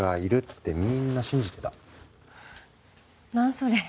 それ。